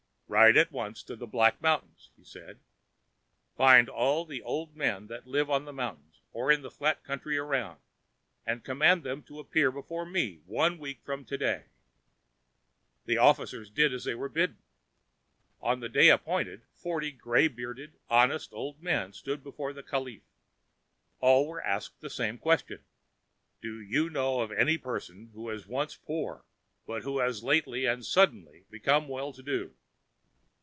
"Ride at once to the Black Mountains," he said. "Find all the old men that live on the mountains or in the flat country around, and command them to appear before me one week from to day." The officers did as they were bidden. On the day appointed, forty gray bearded, honest old men stood before the caliph. All were asked the same question. "Do you know of any person who was once poor but who has lately and suddenly become well to do?"